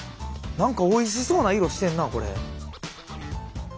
何かおいしそうな色してんなこれ。